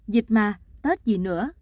dịch mà tết gì nữa